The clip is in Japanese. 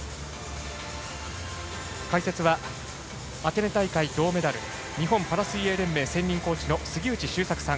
解説はアテネ大会銅メダル日本パラ水泳連盟専任コーチの杉内周作さん。